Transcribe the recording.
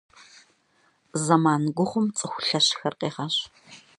Зэман гугъум цӏыху лъэщхэр къегъэщӏ.